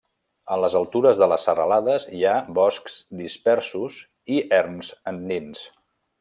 A les altures de les serralades hi ha boscs dispersos i erms andins.